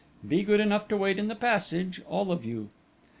Be good enough to wait in the passage all of you!"